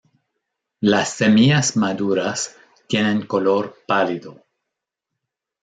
Las semillas maduras tienen color pálido.